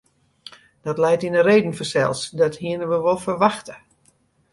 Dat leit yn de reden fansels, dat hienen we wol ferwachte.